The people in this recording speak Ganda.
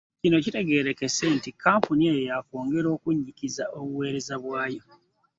Kino kitegeerekese nti kkampuni eno ya kwongera okunnyikiza obuweereza bwayo